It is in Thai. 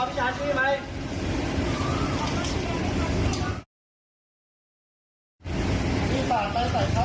พี่หาน้ำเวียนขนาดนี้ครับ